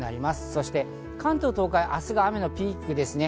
そして関東、東海、明日が雨のピークですね。